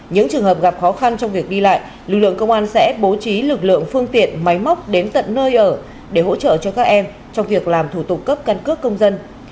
những trường hợp gặp khó khăn trong việc đi lại lực lượng công an sẽ bố trí lực lượng phương tiện máy móc đến tận nơi ở để hỗ trợ cho các em trong việc làm thủ tục cấp căn cước công dân